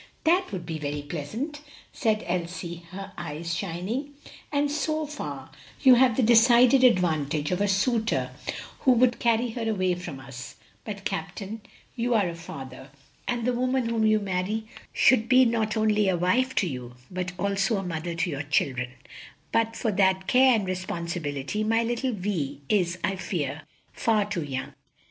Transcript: "That would be very pleasant," Elsie said her eyes shining; "and so far you have the decided advantage of a suitor who would carry her away from us; but, Captain, you are a father, and the woman whom you marry should be not only a wife to you, but also a mother to your children; but for that care and responsibility my little Vi is, I fear, far too young.